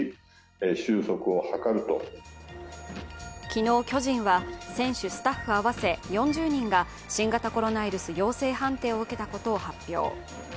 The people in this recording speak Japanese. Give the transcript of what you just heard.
昨日、巨人は選手、スタッフ合わせ４０人が新型コロナウイルス陽性判定を受けたことを発表。